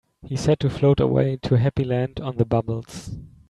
He said to float away to Happy Land on the bubbles.